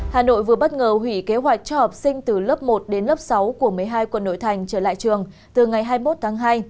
hà nội vừa bất ngờ hủy kế hoạch cho học sinh từ lớp một đến lớp sáu của một mươi hai quận nội thành trở lại trường từ ngày hai mươi một tháng hai